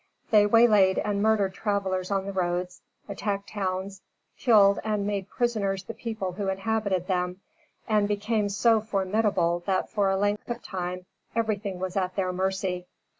They waylaid and murdered travelers on the roads, attacked towns, killed and made prisoners the people who inhabited them, and became so formidable that for a length of time everything was at their mercy.